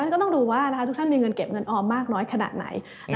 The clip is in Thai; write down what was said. ก็ต้องดูว่าทุกท่านมีเงินเก็บเงินออมมากน้อยขนาดไหน